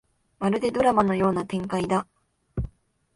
まるでドラマのような展開だ